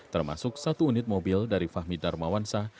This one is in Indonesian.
termasuk satu unit mobil dari fahmi dar mawansa